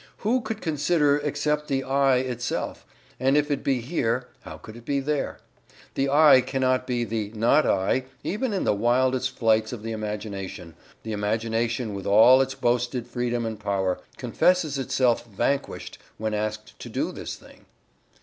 Who could consider except the "I" itself, and if it be here, how could it be there? The "I" cannot be the "not I" even in the wildest flights of the imagination the imagination with all its boasted freedom and power, confesses itself vanquished when asked to do this thing.